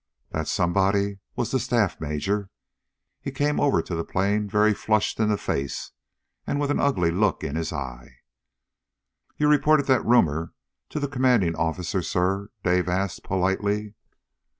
That somebody was the staff major. He came over to the plane very flushed in the face, and with an ugly look in his eye. "You reported that rumor to the commanding officer, sir?" Dave asked politely.